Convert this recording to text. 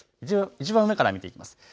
いちばん上から見ていきます。